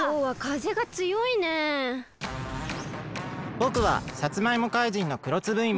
ぼくはさつまいも怪人のくろつぶいも。